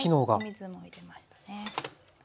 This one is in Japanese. お水も入れましたね。